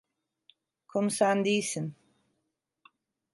Konu sen değilsin.